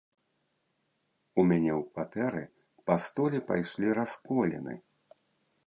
У мяне ў кватэры па столі пайшлі расколіны.